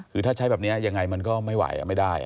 คือถ้าใช้แบบนี้ยังไงมันก็ไม่ไหวไม่ได้